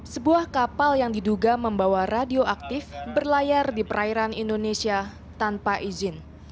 sebuah kapal yang diduga membawa radioaktif berlayar di perairan indonesia tanpa izin